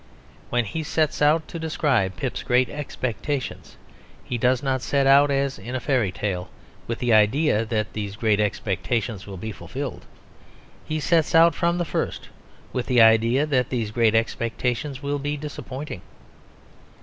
When he sets out to describe Pip's great expectation he does not set out, as in a fairytale, with the idea that these great expectations will be fulfilled; he sets out from the first with the idea that these great expectations will be disappointing.